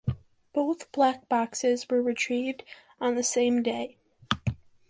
Both black boxes were retrieved on the same day.